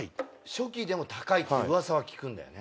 初期でも高いって噂は聞くんだよね。